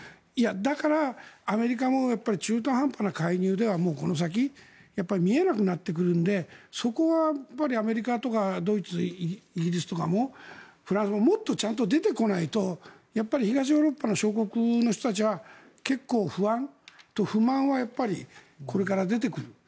だから、アメリカも中途半端な介入ではこの先、見えなくなってくるのでそこはアメリカとかドイツ、イギリスとかもフランスももっとちゃんと出てこないと東ヨーロッパの小国の人たちは結構、不安と不満はやっぱりこれから出てくる。